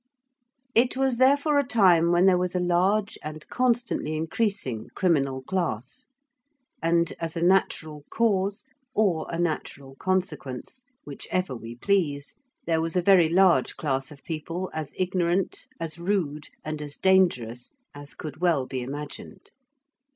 It was therefore a time when there was a large and constantly increasing criminal class: and, as a natural cause or a natural consequence, whichever we please, there was a very large class of people as ignorant, as rude, and as dangerous as could well be imagined.